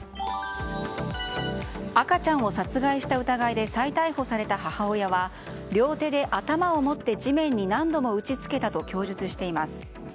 赤ちゃんを殺害した疑いで再逮捕された母親は両手で頭をもって地面に何度も打ち付けたと供述しています。